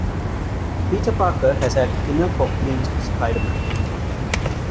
Peter Parker has had enough of being Spider-Man.